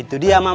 itu dia mama ya